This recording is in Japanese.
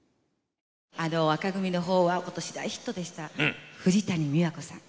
紅組の方は今年大ヒットでした藤谷美和子さん。